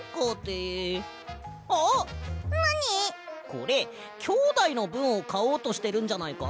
これきょうだいのぶんをかおうとしてるんじゃないか？